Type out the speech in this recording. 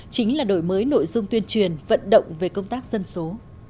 chính là đổi mới nội dung tuyên truyền vận động về công tác dân số